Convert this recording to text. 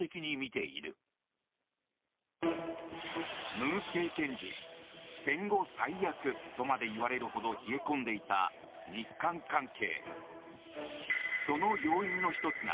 文政権時戦後最悪とまで言われるほど冷え込んでいた日韓関係。